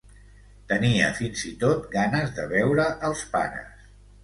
Tenia, fins i tot, ganes de veure els pares.